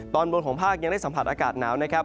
ตอนบนของภาคยังได้สัมผัสอากาศหนาวนะครับ